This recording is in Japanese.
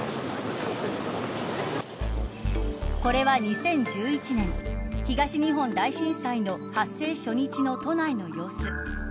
これは２０１１年東日本大震災の発生初日の都内の様子。